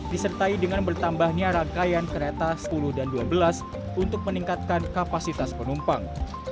disertai dengan bertambahnya rangkaian kereta sepuluh dan dua belas untuk meningkatkan kapasitas penumpang